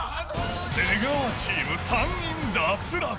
出川チーム、３人脱落。